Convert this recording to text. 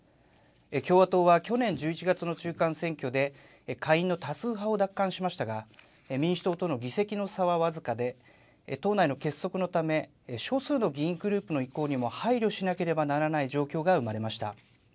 共和党は去年１１月の中間選挙で、下院の多数派を奪還しましたが、民主党との議席の差は僅かで、党内の結束のため少数の議員グループの意向にも配慮しなければならない状況が生まれました。